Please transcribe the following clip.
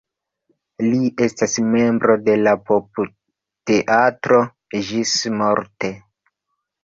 Li estis membro de la Pupteatro ĝismorte.